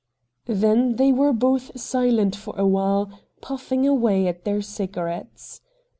Then they were both silent for a while, puffing away at their cigarettes.